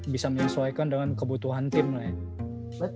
bisa menyesuaikan dengan kebutuhan tim lah ya